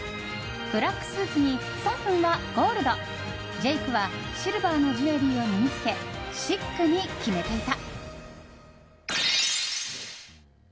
ブラックスーツにソンフンはゴールドジェイクはシルバーのジュエリーを身に着けシックに決めていた。